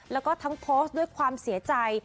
แล้วก็ทั้งโพสต์ด้วยความเสียใจ